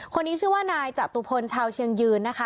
คนนี้ชื่อว่านายจตุพลชาวเชียงยืนนะคะ